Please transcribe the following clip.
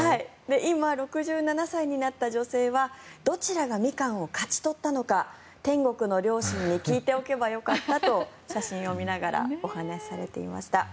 今、６７歳になった女性はどちらがミカンを勝ち取ったのか天国の両親に聞いておけばよかったと写真を見ながらお話されていました。